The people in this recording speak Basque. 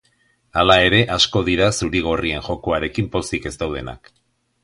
Hala ere, asko dira zuri-gorrien jokoarekin pozik ez daudenak.